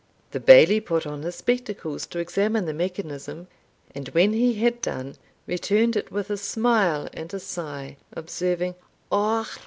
The Bailie put on his spectacles to examine the mechanism, and when he had done, returned it with a smile and a sigh, observing "Ah!